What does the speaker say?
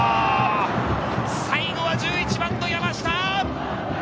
最後は１１番の山下！